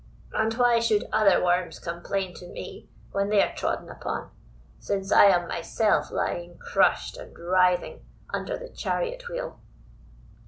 And why should other worms complain to me when they are trodden on, since I am myself lying crushed and writhing under the chariot wheel?"